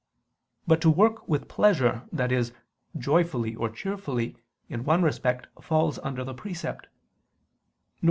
But to work with pleasure, i.e. joyfully or cheerfully, in one respect falls under the precept, viz.